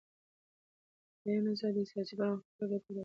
د بیان ازادي سیاسي پرمختګ ته ګټه رسوي